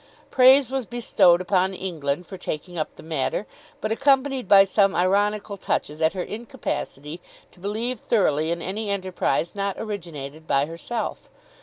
Praise was bestowed upon England for taking up the matter, but accompanied by some ironical touches at her incapacity to believe thoroughly in any enterprise not originated by herself.